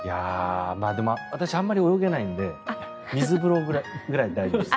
でも私、あまり泳げないので水風呂ぐらいで大丈夫です。